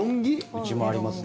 うちもありますね。